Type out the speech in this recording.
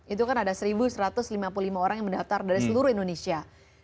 itu kan ada satu satu ratus lima puluh lima orang yang mendaftar dari seluruh indonesia